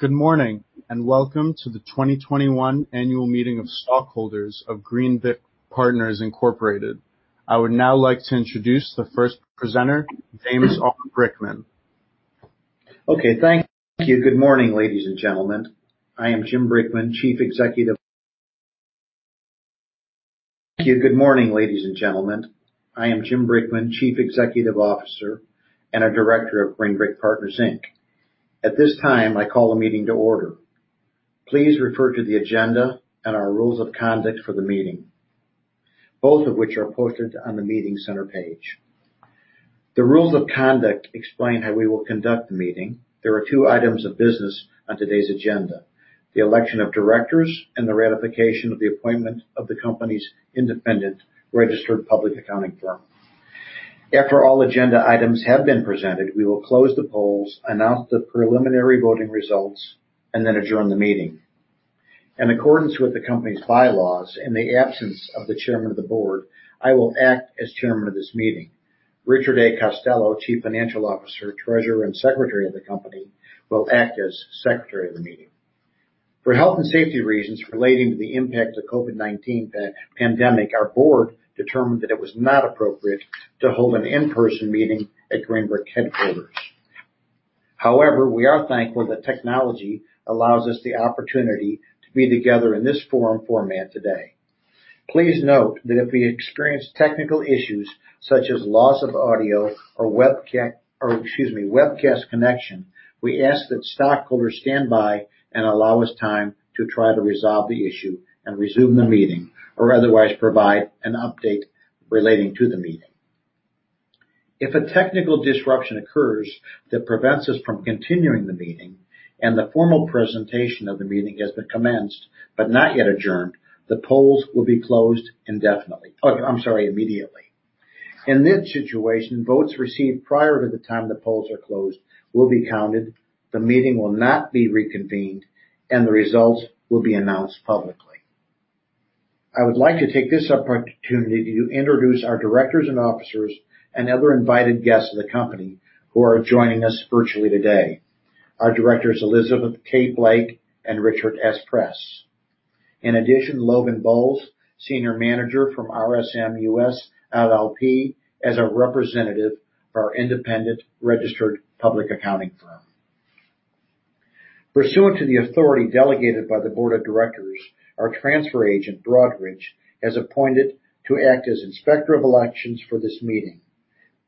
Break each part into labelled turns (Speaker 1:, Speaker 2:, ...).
Speaker 1: Good morning and welcome to the 2021 Annual Meeting of Stockholders of Green Brick Partners. I would now like to introduce the first presenter, James R. Brickman.
Speaker 2: Okay, thank you. Good morning, ladies and gentlemen. I am Jim Brickman, Chief Executive Officer and a Director of Green Brick Partners. At this time, I call the meeting to order. Please refer to the agenda and our rules of conduct for the meeting, both of which are posted on the meeting center page. The rules of conduct explain how we will conduct the meeting. There are two items of business on today's agenda: the election of directors and the ratification of the appointment of the company's independent registered public accounting firm. After all agenda items have been presented, we will close the polls, announce the preliminary voting results, and then adjourn the meeting. In accordance with the company's bylaws, in the absence of the Chairman of the Board, I will act as Chairman of this meeting. Richard A. Costello, Chief Financial Officer, Treasurer, and Secretary of the company, will act as Secretary of the meeting. For health and safety reasons relating to the impact of the COVID-19 pandemic, our board determined that it was not appropriate to hold an in-person meeting at Green Brick headquarters. However, we are thankful that technology allows us the opportunity to be together in this format today. Please note that if we experience technical issues such as loss of audio or webcast connection, we ask that stockholders stand by and allow us time to try to resolve the issue and resume the meeting, or otherwise provide an update relating to the meeting. If a technical disruption occurs that prevents us from continuing the meeting and the formal presentation of the meeting has been commenced but not yet adjourned, the polls will be closed immediately. In this situation, votes received prior to the time the polls are closed will be counted, the meeting will not be reconvened, and the results will be announced publicly. I would like to take this opportunity to introduce our directors and officers and other invited guests of the company who are joining us virtually today. Our directors are Elizabeth K. Blake and Richard S. Press. In addition, Logan Bowles, Senior Manager from RSM US LLP, as a representative for our independent registered public accounting firm. Pursuant to the authority delegated by the Board of Directors, our transfer agent, Broadridge, has appointed to act as Inspector of Elections for this meeting.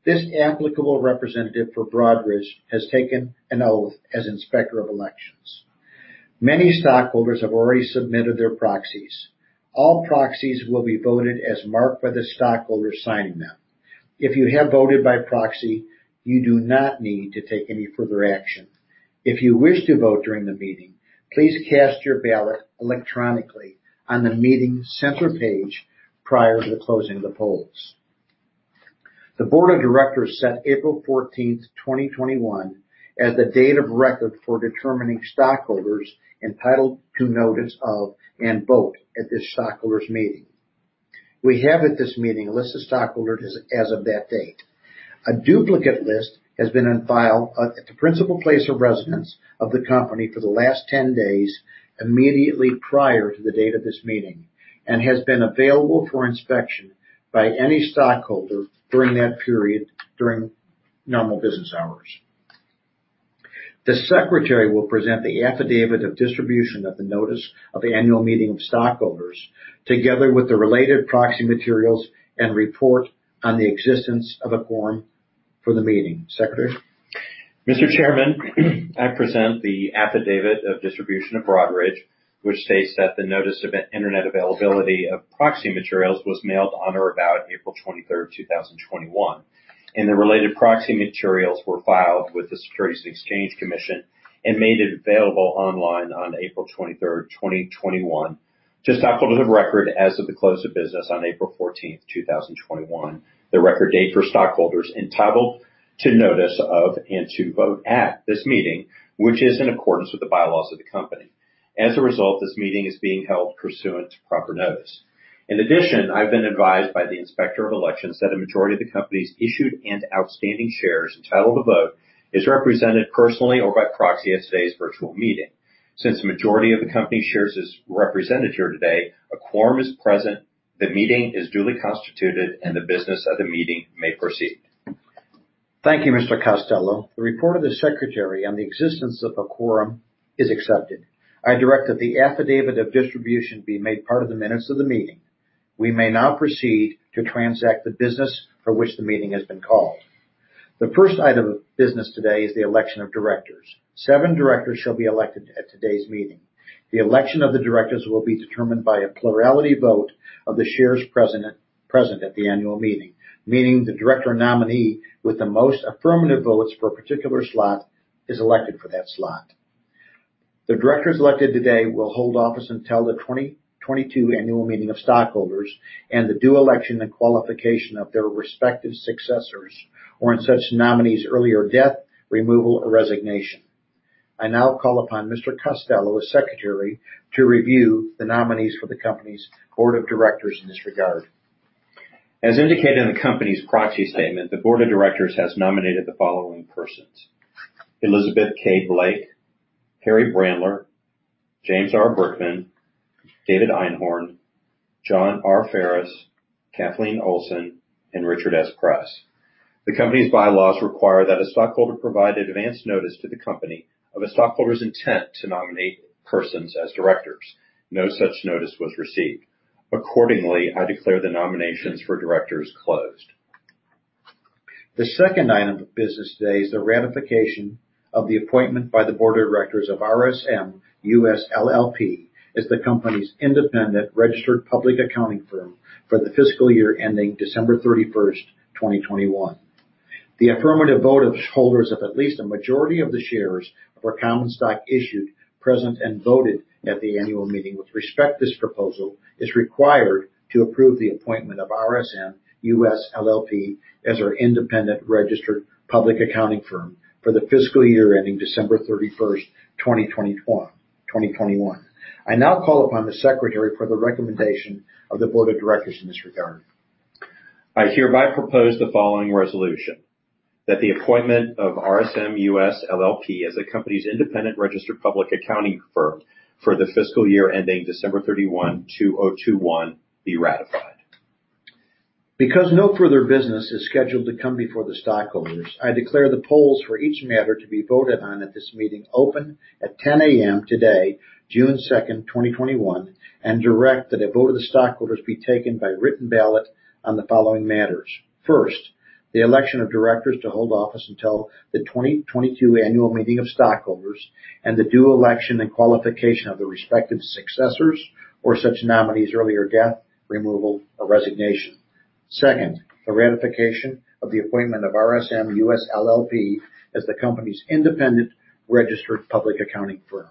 Speaker 2: This applicable representative for Broadridge has taken an oath as Inspector of Elections. Many stockholders have already submitted their proxies. All proxies will be voted as marked by the stockholders signing them. If you have voted by proxy, you do not need to take any further action. If you wish to vote during the meeting, please cast your ballot electronically on the meeting center page prior to closing the polls. The Board of Directors set April 14th, 2021, as the date of record for determining stockholders entitled to notice of and vote at this stockholders' meeting. We have at this meeting a list of stockholders as of that date. A duplicate list has been on file at the principal place of residence of the company for the last 10 days immediately prior to the date of this meeting and has been available for inspection by any stockholder during that period during normal business hours. The Secretary will present the affidavit of distribution of the notice of the annual meeting of stockholders together with the related proxy materials and report on the existence of a quorum for the meeting. Secretary?
Speaker 3: Mr. Chairman, I present the affidavit of distribution of Broadridge, which states that the notice of internet availability of proxy materials was mailed on or about April 23rd, 2021, and the related proxy materials were filed with the Securities and Exchange Commission and made available online on April 23rd, 2021. To stockholders of record, as of the close of business on April 14th, 2021, the record date for stockholders entitled to notice of and to vote at this meeting, which is in accordance with the bylaws of the company. As a result, this meeting is being held pursuant to proper notice. In addition, I've been advised by the Inspector of Elections that a majority of the company's issued and outstanding shares entitled to vote is represented personally or by proxy at today's virtual meeting. Since the majority of the company's shares is represented here today, a quorum is present, the meeting is duly constituted, and the business of the meeting may proceed.
Speaker 2: Thank you, Mr. Costello. The report of the secretary on the existence of a quorum is accepted. I direct that the affidavit of distribution be made part of the minutes of the meeting. We may now proceed to transact the business for which the meeting has been called. The first item of business today is the election of directors. Seven directors shall be elected at today's meeting. The election of the directors will be determined by a plurality vote of the shares present at the annual meeting, meaning the director nominee with the most affirmative votes for a particular slot is elected for that slot. The directors elected today will hold office until the 2022 annual meeting of stockholders and the due election and qualification of their respective successors or in such nominees' earlier death, removal, or resignation. I now call upon Mr. Costello, a secretary, to review the nominees for the company's Board of Directors in this regard.
Speaker 3: As indicated in the company's proxy statement, the Board of Directors has nominated the following persons: Elizabeth K. Blake, Harry Brandler, James R. Brickman, David Einhorn, John R. Farris, Kathleen Olson, and Richard S. Press. The company's bylaws require that a stockholder provide advance notice to the company of a stockholder's intent to nominate persons as directors. No such notice was received. Accordingly, I declare the nominations for directors closed.
Speaker 2: The second item of business today is the ratification of the appointment by the Board of Directors of RSM US LLP as the company's independent registered public accounting firm for the fiscal year ending December 31st, 2021. The affirmative vote of holders of at least a majority of the shares of our common stock issued, present, and voted at the annual meeting with respect to this proposal is required to approve the appointment of RSM US LLP as our independent registered public accounting firm for the fiscal year ending December 31st, 2021. I now call upon the Secretary for the recommendation of the Board of Directors in this regard.
Speaker 3: I hereby propose the following resolution: that the appointment of RSM US LLP as the company's independent registered public accounting firm for the fiscal year ending December 31, 2021, be ratified.
Speaker 2: Because no further business is scheduled to come before the stockholders, I declare the polls for each matter to be voted on at this meeting open at 10:00 A.M. today, June 2nd, 2021, and direct that a vote of the stockholders be taken by written ballot on the following matters: first, the election of directors to hold office until the 2022 annual meeting of stockholders and the due election and qualification of the respective successors or such nominees' earlier death, removal, or resignation; second, the ratification of the appointment of RSM US LLP as the company's independent registered public accounting firm.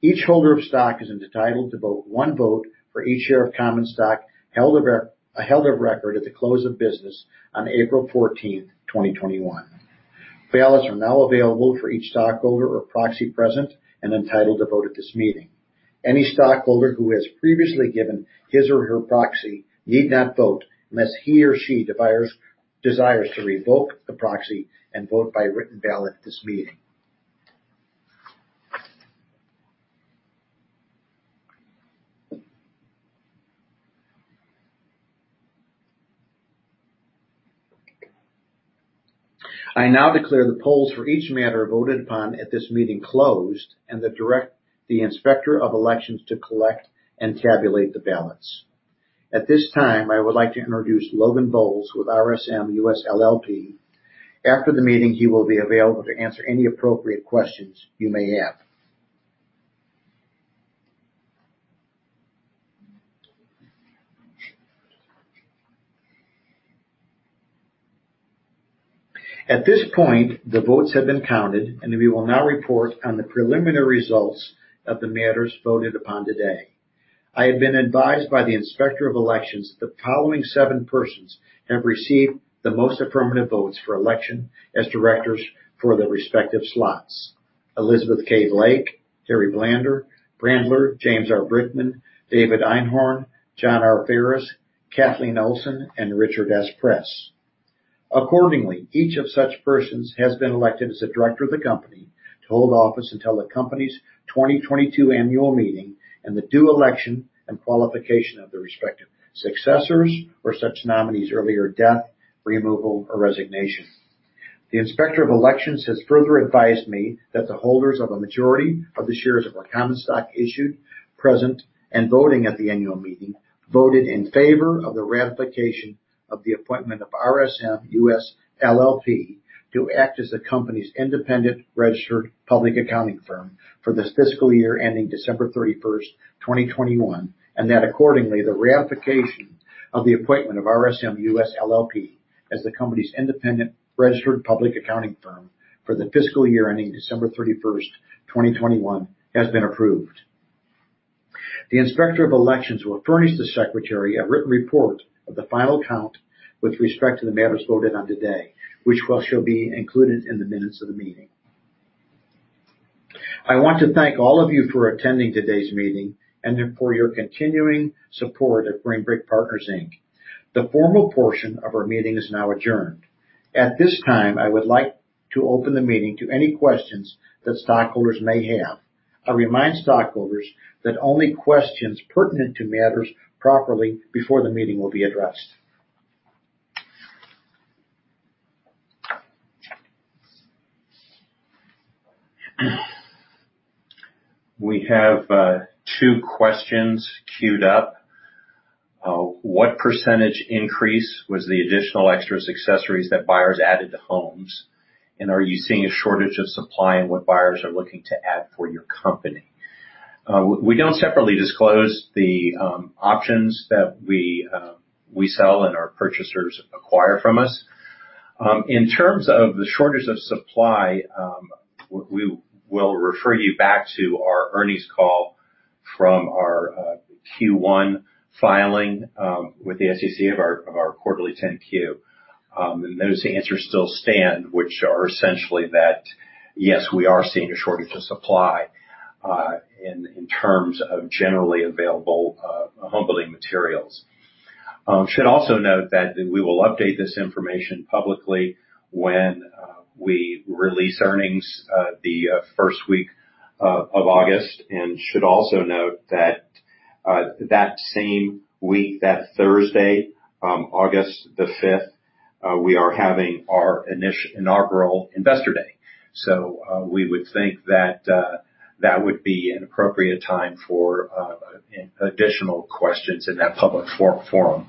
Speaker 2: Each holder of stock is entitled to vote one vote for each share of common stock held of record at the close of business on April 14th, 2021. Ballots are now available for each stockholder or proxy present and entitled to vote at this meeting. Any stockholder who has previously given his or her proxy need not vote unless he or she desires to revoke the proxy and vote by written ballot at this meeting. I now declare the polls for each matter voted upon at this meeting closed and the Inspector of Elections to collect and tabulate the ballots. At this time, I would like to introduce Logan Bowles with RSM US LLP. After the meeting, he will be available to answer any appropriate questions you may have. At this point, the votes have been counted, and we will now report on the preliminary results of the matters voted upon today. I have been advised by the Inspector of Elections that the following seven persons have received the most affirmative votes for election as directors for the respective slots: Elizabeth K. Blake, Harry Brandler, James R. Brickman, David Einhorn, John R. Ferris, Kathleen Olsen, and Richard S. Press. Accordingly, each of such persons has been elected as a director of the company to hold office until the company's 2022 annual meeting and the due election and qualification of the respective successors or such nominees' earlier death, removal, or resignation. The Inspector of Elections has further advised me that the holders of a majority of the shares of our common stock issued, present, and voting at the annual meeting voted in favor of the ratification of the appointment of RSM US LLP to act as the company's independent registered public accounting firm for the fiscal year ending December 31st, 2021, and that accordingly, the ratification of the appointment of RSM US LLP as the company's independent registered public accounting firm for the fiscal year ending December 31st, 2021, has been approved. The Inspector of Elections will furnish the secretary a written report of the final count with respect to the matters voted on today, which shall be included in the minutes of the meeting. I want to thank all of you for attending today's meeting and for your continuing support of Green Brick Partners. The formal portion of our meeting is now adjourned. At this time, I would like to open the meeting to any questions that stockholders may have. I remind stockholders that only questions pertinent to matters properly before the meeting will be addressed.
Speaker 3: We have two questions queued up. What percentage increase was the additional extras accessories that buyers added to homes? Are you seeing a shortage of supply in what buyers are looking to add for your company? We do not separately disclose the options that we sell and our purchasers acquire from us. In terms of the shortage of supply, we will refer you back to our earnings call from our Q1 filing with the SEC of our quarterly 10-Q. Those answers still stand, which are essentially that, yes, we are seeing a shortage of supply in terms of generally available home-building materials. We should also note that we will update this information publicly when we release earnings the first week of August. We should also note that that same week, that Thursday, August the 5th, we are having our inaugural investor day. We would think that that would be an appropriate time for additional questions in that public forum.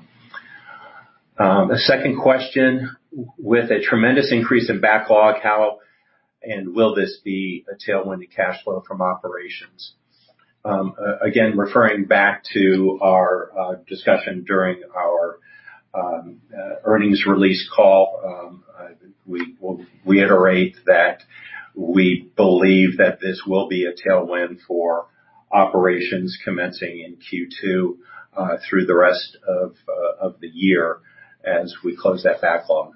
Speaker 3: A second question: with a tremendous increase in backlog, how and will this be a tailwind to cash flow from operations? Again, referring back to our discussion during our earnings release call, we reiterate that we believe that this will be a tailwind for operations commencing in Q2 through the rest of the year as we close that backlog.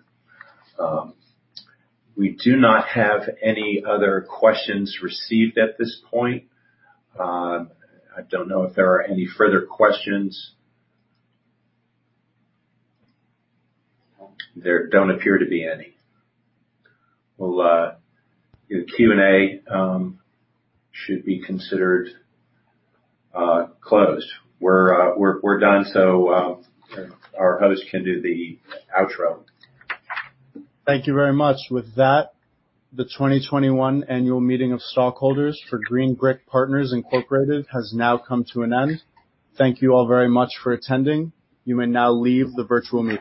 Speaker 3: We do not have any other questions received at this point. I don't know if there are any further questions. There don't appear to be any. The Q&A should be considered closed. We're done so our host can do the outro.
Speaker 2: Thank you very much. With that, the 2021 annual meeting of stockholders for Green Brick Partners has now come to an end. Thank you all very much for attending. You may now leave the virtual meeting.